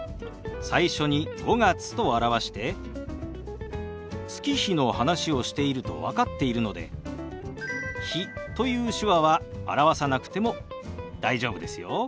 最初に「５月」と表して月日の話をしていると分かっているので「日」という手話は表さなくても大丈夫ですよ。